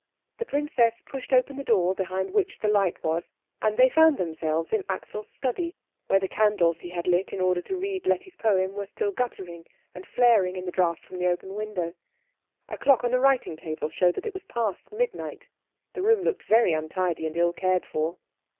The princess pushed open the door behind which the light was, and they found themselves in Axel's study, where the candles he had lit in order to read Letty's poem were still guttering and flaring in the draught from the open window. A clock on the writing table showed that it was past midnight. The room looked very untidy and ill cared for.